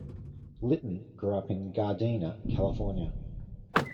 Litton grew up in Gardena, California.